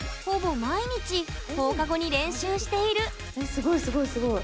すごいすごいすごい！